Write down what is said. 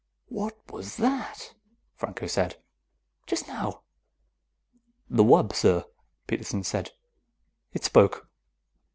"What was that?" Franco said. "Just now." "The wub, sir," Peterson said. "It spoke."